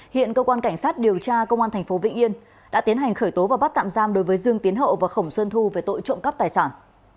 hiện cơ quan cảnh sát điều tra công an tp vĩnh yên đã tiến hành khởi tố và bắt tạm giam đối với dương tiến hậu và khổng xuân thu về tội trộm cắp tài sản